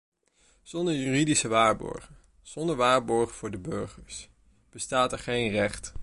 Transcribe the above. Zonder juridische waarborgen, zonder waarborgen voor de burgers, bestaat er geen recht.